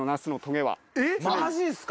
マジっすか？